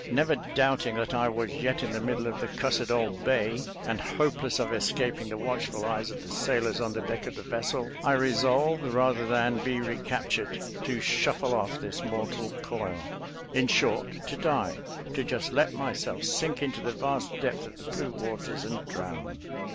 Never doubting that I was yet in the middle of the cussed old bay, and hopeless of escaping the watchful eyes of the sailors on the deck of the vessel, I resolved, rather than be recaptured, to ' shuffle off this mortal coil,' — in short, to die, to just let myself sink into the vasty depth of the blue waters, and drown.